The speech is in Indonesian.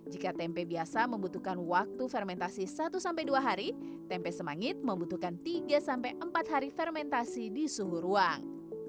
jika tempe biasa membutuhkan waktu fermentasi satu dua hari tempe semangit membutuhkan tiga sampai empat hari fermentasi di suhu ruang